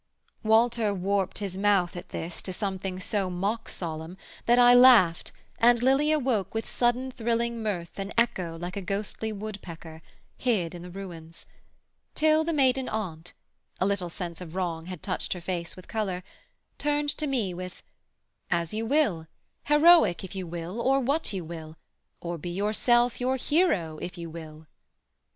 Walter warped his mouth at this To something so mock solemn, that I laughed And Lilia woke with sudden thrilling mirth An echo like a ghostly woodpecker, Hid in the ruins; till the maiden Aunt (A little sense of wrong had touched her face With colour) turned to me with 'As you will; Heroic if you will, or what you will, Or be yourself you hero if you will.'